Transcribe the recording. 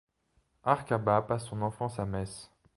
Arcabas passe son enfance à Metz.